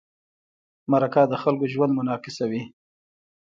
مرکه د خلکو ژوند منعکسوي.